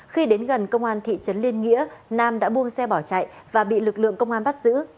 khi đến gần công an thị trấn liên nghĩa nam đã buông xe bỏ chạy và bị lực lượng công an bắt giữ